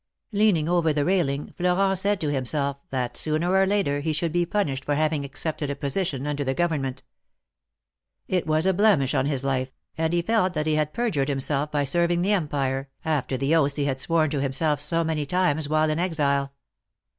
Leaning over the railing, Florent said to himself that THE MARKETS OP PARIS. 281 sooner or later he should be punished for having accepted a position under the Government. It was a blemish on his life, and he felt that he had perjured himself by serving the Empire, after the oaths he had sworn to him self so many times while in exile.